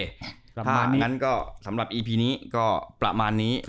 ถ้าอย่างนั้นก็สำหรับอีพีนี้ก็ประมาณนี้